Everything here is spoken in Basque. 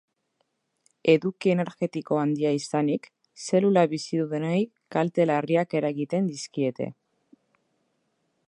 Eduki energetiko handia izanik, zelula bizidunei kalte larriak eragiten dizkiete.